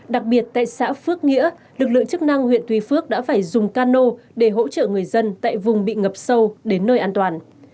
đặc biệt tại xã phước nghĩa lực lượng chức năng huyện tuy phước đã phải dùng cano để hỗ trợ người dân tại vùng bị ngập sâu đến nơi an toàn